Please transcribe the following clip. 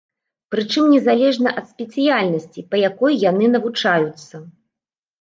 Прычым незалежна ад спецыяльнасці, па якой яны навучаюцца.